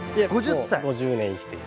もう５０年生きている。